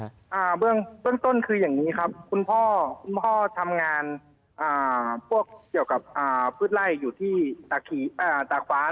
อ่าเบื้องต้นคืออย่างนี้ครับคุณพ่อทำงานพวกเกี่ยวกับพืชไล่อยู่ที่ตากฟ้านะครับ